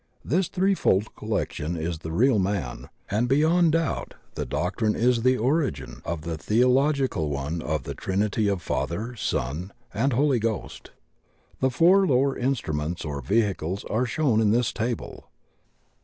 This threefold collection is the real man; and beyond doubt the doctrine is the origin of the theological one of the trinity of Father, Son, and Holy Ghost. The four lower instruments or vehicles are shown in this table